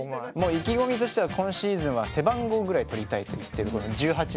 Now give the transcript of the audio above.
意気込みとしてはこのシーズンは背番号ぐらい取りたいと言ってる１８ね。